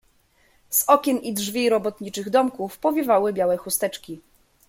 "Z okien i drzwi robotniczych domków powiewały białe chusteczki."